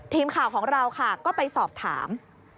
ทีมข่าวของเราค่ะก็ไปสอบถาม